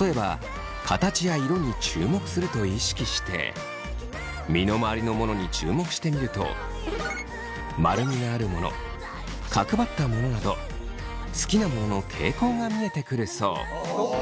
例えば形や色に注目すると意識して身の回りの物に注目してみると丸みがある物角張った物など好きな物の傾向が見えてくるそう。